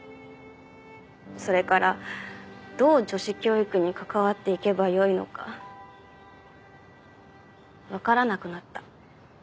それからどう女子教育に関わっていけばよいのかわからなくなった。